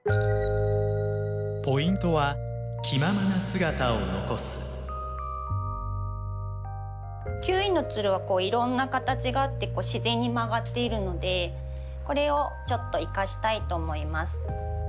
ポイントはキウイのツルはいろんな形があって自然に曲がっているのでこれをちょっと生かしたいと思います。